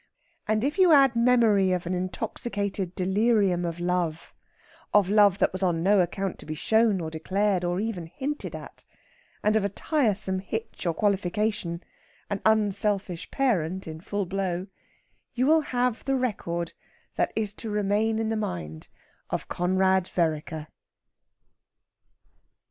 And if you add memory of an intoxicated delirium of love of love that was on no account to be shown or declared or even hinted at and of a tiresome hitch or qualification, an unselfish parent in full blow, you will have the record that is to remain in the mind of Conrad Vereker.